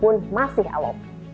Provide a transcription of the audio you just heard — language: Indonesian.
tiongkok pun masih elok